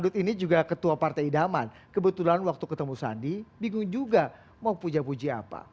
interior ketua partai daman kebetulan waktu ketemu sandi bingung juga mau puja puji apa